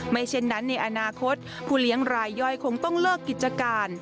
เช่นนั้นในอนาคตผู้เลี้ยงรายย่อยคงต้องเลิกกิจการ